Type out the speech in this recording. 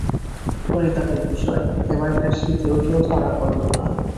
পরিতাপের বিষয়, এবারকার শীতেও কেউ ধরা পড়ল না।